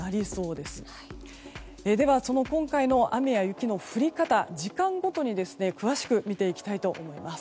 では、今回の雨や雪の降り方を時間ごとに詳しく見ていきたいと思います。